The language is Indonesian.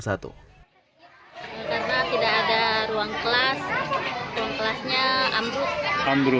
karena tidak ada ruang kelas ruang kelasnya ambruk